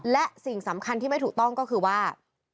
และสิ่งสำคัญที่ไม่ถูกต้องก็คือว่า